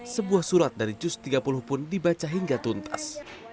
sebuah surat dari jus tiga puluh pun dibaca hingga tuntas